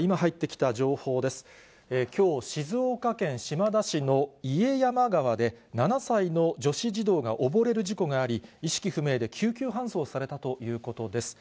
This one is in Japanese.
きょう、静岡県島田市の家山川で、７歳の女子児童が溺れる事故があり、意識不明で救急搬送されたということです。